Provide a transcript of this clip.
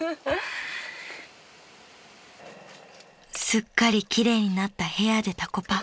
［すっかり奇麗になった部屋でタコパ］